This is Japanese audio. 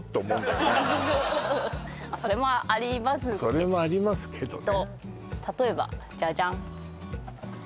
けそれもありますけどね